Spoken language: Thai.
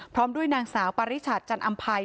พร้อมด้วยนางสาวปริชัดจันอำภัย